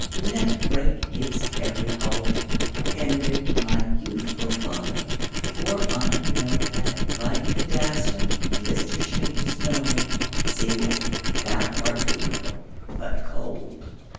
Let break its every hold! Ended my youthful folly! for I know That, like the dazzling, glister shedding snow, Celia, thou art beautiful, but cold.